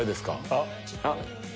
あっ！